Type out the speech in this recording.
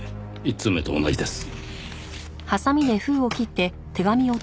１通目と同じです。